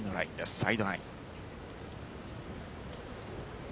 サイドライン。